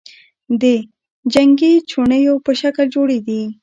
د جنگې چوڼیو په شکل جوړي دي،